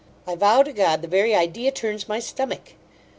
I vow to God, the very idea turns my stomach!